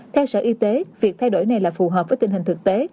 theo sở y tế việc thay đổi này là phù hợp với tình hình thực tế